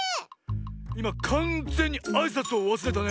いまかんぜんにあいさつをわすれたね。